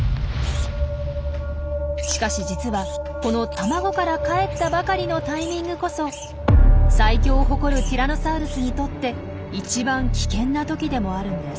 しかし実はこの卵からかえったばかりのタイミングこそ最強を誇るティラノサウルスにとって一番危険な時でもあるんです。